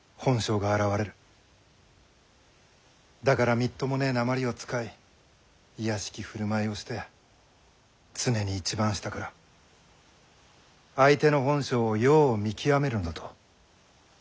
だからみっともねえなまりを使い卑しき振る舞いをして常に一番下から相手の本性をよう見極めるのだと。